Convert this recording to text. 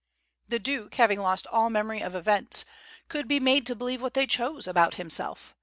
The Duke, having lost all memory of events, could be made to believe what they chose about himself.